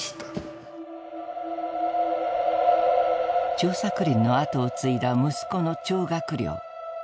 張作霖の後を継いだ息子の張学良。